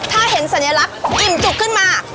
ถ้าเห็นสัญลักษณ์อิ่มจุกขึ้นมา